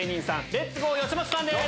レッツゴーよしまささんです。